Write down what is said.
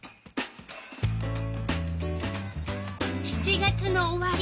７月の終わり。